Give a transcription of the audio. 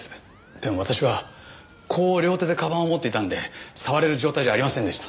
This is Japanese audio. でも私はこう両手でかばんを持っていたんで触れる状態じゃありませんでした。